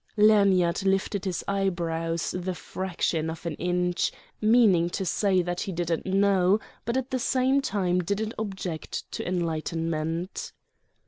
Lanyard lifted his eyebrows the fraction of an inch, meaning to say he didn't know but at the same time didn't object to enlightenment.